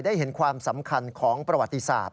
ได้เห็นความสำคัญของประวัติศาสตร์